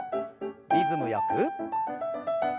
リズムよく。